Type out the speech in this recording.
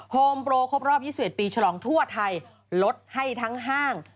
โฮมโปรครบรอบ๒๑ปีฉลองทั่วไทยลดให้ทั้งห้าง